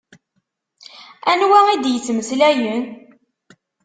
Anwa i d-yettmeslayen?